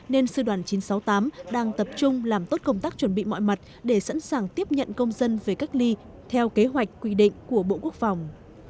nên sư đoàn chín trăm sáu mươi tám đang tập trung làm tốt công tác chuẩn bị mọi mặt để sẵn sàng tiếp nhận công dân về cách ly theo kế hoạch quy định của bộ quốc phòng